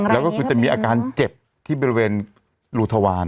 แล้วก็คือจะมีอาการเจ็บที่บริเวณรูทวาร